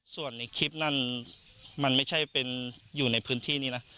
ส่วนในคลิปนั้นมันไม่ใช่เป็นอยู่ในพื้นที่นี้นะ